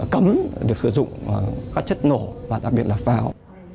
cấm việc sử dụng các chất nổ và đặc biệt là pháo